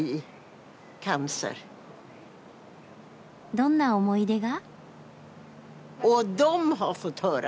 どんな思い出が？